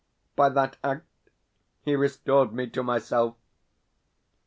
By that act he restored me to myself.